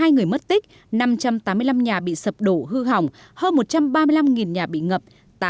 một mươi người mất tích năm trăm tám mươi năm nhà bị sập đổ hư hỏng hơn một trăm ba mươi năm nhà bị ngập